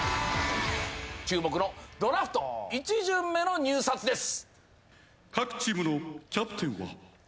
注目のドラフト１巡目の入札です。